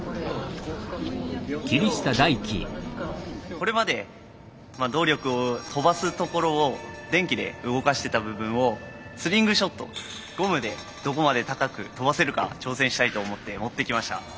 これまで動力を跳ばすところを電気で動かしてた部分をスリングショットゴムでどこまで高く跳ばせるか挑戦したいと思って持ってきました。